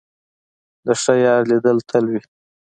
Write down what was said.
د ښه یار لیدل تل وي.